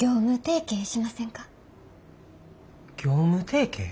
業務提携？